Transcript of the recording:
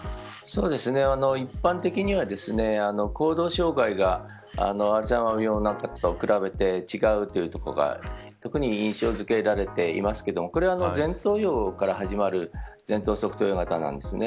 一般的には行動障害がアルツハイマー型と比べて違うというところが特に印象付けられていますがこれは前頭葉から始まる前頭側頭型なんですね。